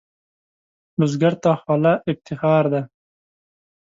بزګر ته خوله افتخار ده